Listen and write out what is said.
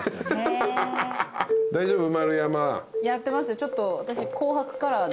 ちょっと私。